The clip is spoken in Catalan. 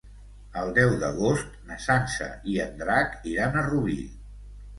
El deu d'agost na Sança i en Drac iran a Rubí.